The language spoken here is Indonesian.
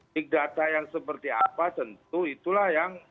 big data yang seperti apa tentu itulah yang